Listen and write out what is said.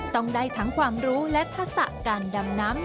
ต้องได้ทั้งความรู้และทักษะการดำน้ำ